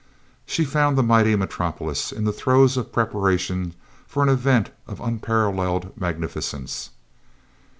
She found the mighty metropolis in the throes of preparation for an event of unparalleled magnificence.